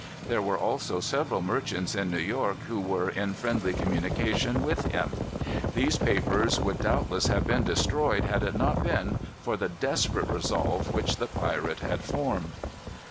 There were also several merchants in New York who were in friendly communication with him. These papers would doubtless have been destroyed had it not been for the desperate resolve which the pirate had formed.